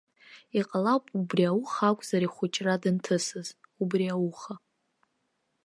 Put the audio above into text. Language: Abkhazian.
Иҟалап убри ауха акәзар ихәыҷра данҭысыз, убри ауха.